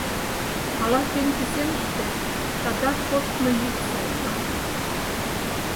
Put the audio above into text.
Ала-кӧн кӱсеныште шагат коштмо йӱк солна.